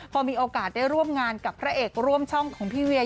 พอมีโอกาสได้ร่วมงานกับพระเอกร่วมช่องของพี่เวีย